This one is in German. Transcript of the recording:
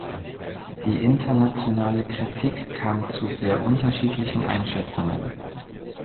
Die internationale Kritik kam zu sehr unterschiedlichen Einschätzungen.